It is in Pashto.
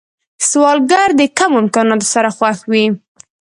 سوالګر د کمو امکاناتو سره خوښ وي